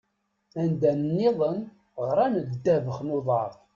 Anda-nniḍen, ɣran ddabex n uḍar.